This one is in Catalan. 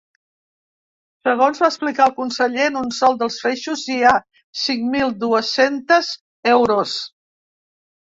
Segons va explicar el conseller, en un sol dels feixos hi ha cinc mil dues-centes euros.